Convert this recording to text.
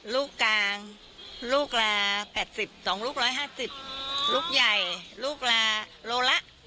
ลูกกลางลูกลาแปดสิบสองลูกร้อยห้าสิบลูกใหญ่ลูกลาโลละ